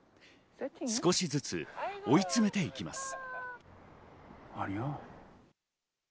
少しずつ追いつめていきます。